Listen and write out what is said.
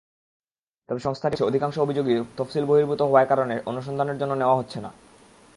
তবে সংস্থাটি বলছে, অধিকাংশ অভিযোগই তফসিলবহির্ভূত হওয়ার কারণে অনুসন্ধানের জন্য নেওয়া হচ্ছে না।